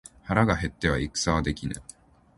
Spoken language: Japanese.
腹が減っては戦はできぬ。